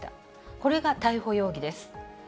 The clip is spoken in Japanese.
これが逮捕容疑です。